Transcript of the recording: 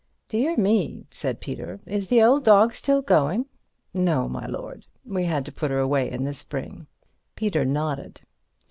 "Dear me," said Peter, "is the old dog still going?" "No, my lord; we had to put her away in the spring." Peter nodded.